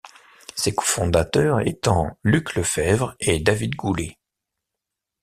Ses cofondateurs étant Luc Lefebvre et David Goulet.